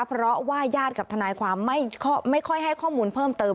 เพราะว่าญาติกับทนายความไม่ค่อยให้ข้อมูลเพิ่มเติม